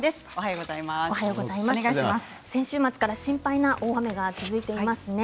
先週末から心配な大雨が続いていますね。